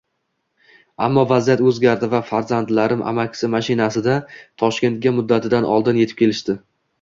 Ammo vaziyat o'zgardi va farzandlarim amakisi mashinasida Toshkentga muddatidan oldin etib kelishdi